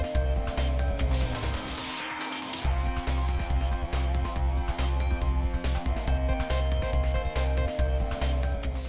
chào tạm biệt